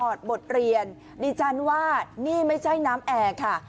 อดบทเรียนดิฉันว่านี่ไม่ใช่น้ำแอร์ค่ะ